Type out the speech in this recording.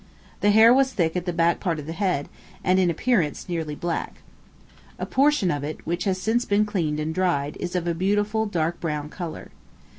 The hair was thick at the back part of the head, and, in appearance, nearly black. A portion of it, which has since been cleaned and dried, is of a beautiful dark brown color.